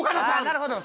なるほど